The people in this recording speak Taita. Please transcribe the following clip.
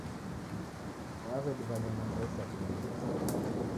Wawediwa nyamandu ra isakenyi